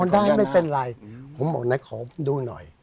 ได้ไม่เป็นไรผมบอกนะขอดูหน่อย